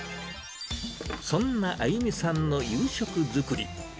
そんなあゆみさんの夕食作り。